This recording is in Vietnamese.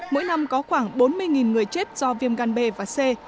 mỗi năm có khoảng bốn mươi người chết do viêm gan b và c